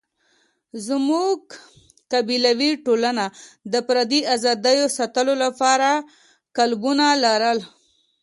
زموږ قبیلوي ټولنه د فردي آزادیو ساتلو لپاره قالبونه لرل.